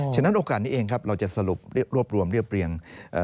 ฉะนั้นโอกาสนี้เองครับเราจะสรุปรวบรวมเรียบเรียง